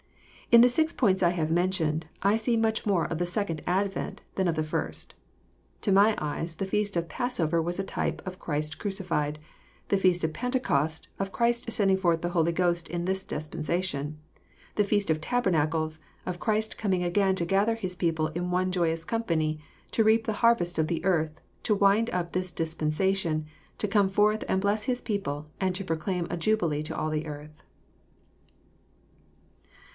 In the six points I have mentioned, I see much more of the second advent than of the first. To my eyes the feast of passover was a type of Christ crucified ;— the feast of pentecost, of Christ sending forth the Holy Ghost in this dispensation;— the feast of tabernacles, of Christ coming again to gather His people in one joyous company, to reap the harvest of the earth, to wind up this dispensation, to come forth and bless His people, and to proclaim a jubilee to all the earth.